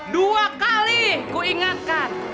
dua kali ku ingatkan